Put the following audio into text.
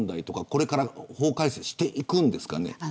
これから法改正していくんですかね。